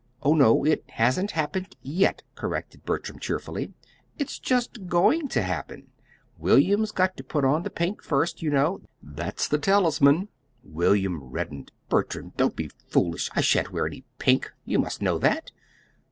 "Oh, no; it hasn't happened yet," corrected Bertram, cheerfully. "It's just going to happen. William's got to put on the pink first, you know. That's the talisman." William reddened. "Bertram, don't be foolish. I sha'n't wear any pink. You must know that."